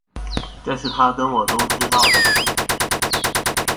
这是他跟我都知道的事